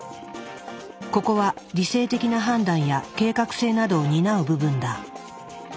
ここは理性的な判断や計画性などを担う部分だ。